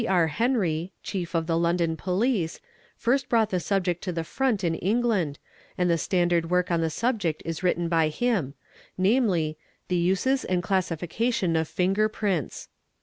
R. Henry, Chief of the London Police, first brought the subject to the front in England and the standard work on the subject is written by him, namely, "The Uses and Classification of Finger prints.""